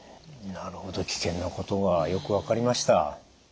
なるほど危険なことがよく分かりました。